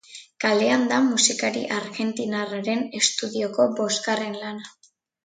Kalean da musikari argentinarraren estudioko bosgarren lana.